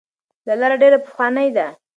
دا لاره ډیره پخوانۍ ده.